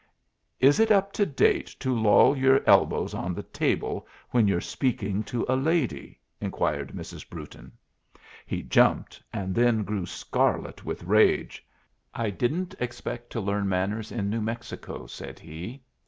"Is it up to date to loll your elbows on the table when you're speaking to a lady?" inquired Mrs. Brewton. He jumped, and then grew scarlet with rage. "I didn't expect to learn manners in New Mexico," said he.